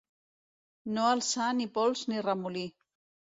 No alçar ni pols ni remolí.